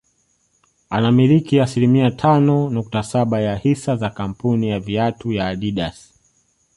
Anamiliki asilimia tano nukta saba ya hisa za kamapuni ya viatu ya Adidas